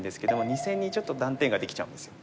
２線にちょっと断点ができちゃうんですよ。